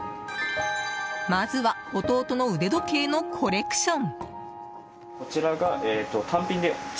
まずは弟の腕時計のコレクション。